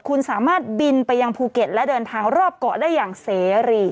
คุณสามารถบินไปยังภูเก็ตและเดินทางรอบเกาะได้อย่างเสรี